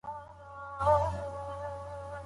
ډوډۍ بې احترامي نه کېږي.